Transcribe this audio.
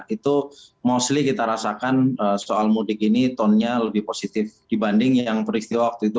itu mostly kita rasakan soal mudik ini tonnya lebih positif dibanding yang peristiwa waktu itu